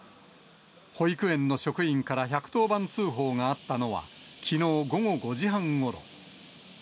保育園の職員から１１０番通報があったのは、きのう午後５時半ごろ。